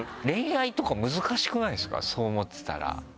そう思ってたら。